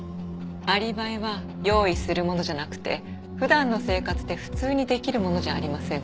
アリバイは用意するものじゃなくて普段の生活で普通にできるものじゃありませんか？